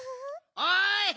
おい！